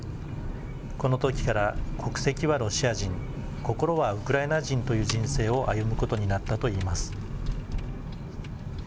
このときから、国籍はロシア人、心はウクライナ人という人生を歩むことになったといいます。